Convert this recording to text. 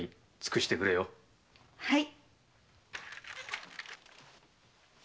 はい！